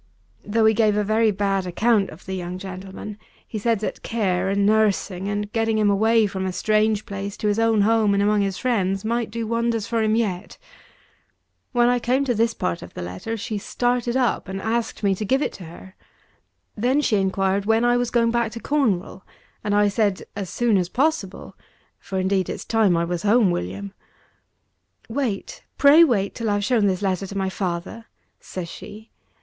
Though he gave a very bad account of the young gentleman, he said that care and nursing, and getting him away from a strange place to his own home and among his friends, might do wonders for him yet. When I came to this part of the letter, she started up, and asked me to give it to her. Then she inquired when I was going back to Cornwall; and I said, "as soon as possible," (for indeed, it's time I was home, William). "Wait; pray wait till I have shown this letter to my father!" says she.